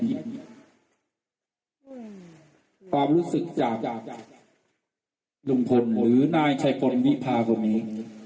ความรู้สึกจากลุงพลหรือนายชัยพลวิพาคนนี้